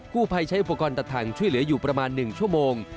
ผู้ภัยใช้อุปกรณ์ตัดทางช่วยเหลืออยู่ประมาณ๑ชั่วโมง